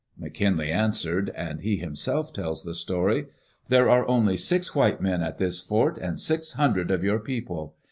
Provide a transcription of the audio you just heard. McKinlay answered — and he himself tells the story — "There are only six white men at this fort and six hun dred of your people.